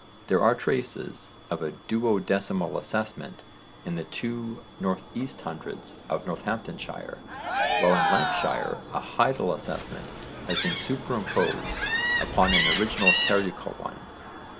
There are traces of a duodecimal assessment in the two N.E. hundreds of Northamptonshire, while in Lancashire a hidal assessment has been superimposed upon an original carucal one.